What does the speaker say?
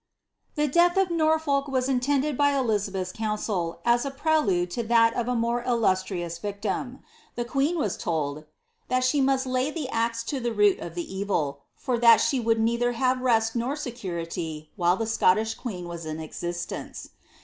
' The death of Norfolk was intended by Elizabeth's council as a pre* lode to that of a more illustrious victim. The queen was tohl, ^ that »he must lay the axe to the root of the evil, for that she would neither hare rest nor security while the Scottish queen was in existence.